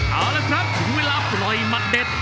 เอาละครับถึงเวลาปล่อยหมัดเด็ด